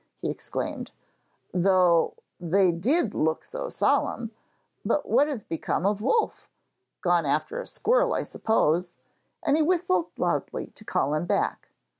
he exclaimed, 'though they did look so solemn; but what has become of Wolf? Gone after a squirrel, I suppose,' and he whistled loudly to call him back.